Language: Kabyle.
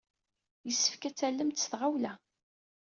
Yessefk ad t-tallemt s tɣawla!